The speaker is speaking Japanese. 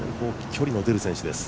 距離の出る選手です。